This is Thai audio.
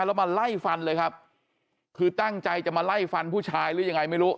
แล้วมาไล่ฟันเลยครับคือตั้งใจจะมาไล่ฟันผู้ชายหรือยังไงไม่รู้